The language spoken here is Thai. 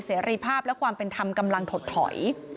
เสรีภาพและความเป็นธรรมกำลังถดถอย